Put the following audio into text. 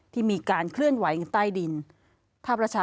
ที่มีการเคลื่อนขึ้นไปแล้วก็มีคำพูจากท่านผู้นำ